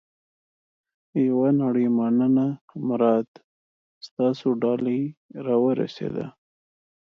یوه نړۍ مننه مراد. ستاسو ډالۍ را ورسېده.